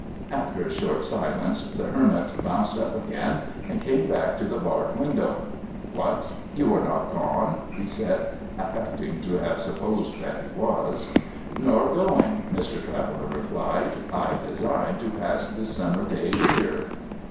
After a short silence, the Hermit bounced up again, and came back to the barred window. ' What ? You are not gone ?' he said, affecting to have supposed that he was. ' Nor going,' Mr. Traveller replied ;' I design to pass this summer day here.'